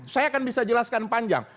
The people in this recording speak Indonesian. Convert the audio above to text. saya akan bisa jelaskan panjang